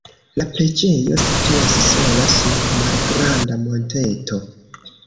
La preĝejo situas sola sur malgranda monteto.